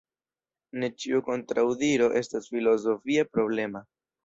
Ne ĉiu kontraŭdiro estas filozofie problema.